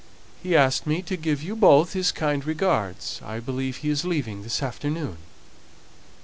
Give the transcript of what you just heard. He asked me to give you both his kind regards. I believe he is leaving this afternoon."